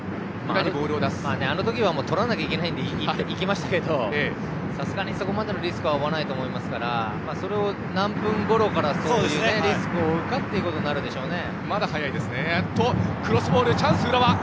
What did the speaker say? あのときは取らなきゃいけないので行きましたけどさすがにそこまでのリスクは負わないと思いますからそれを何分ごろからリスクを負うかでしょうね。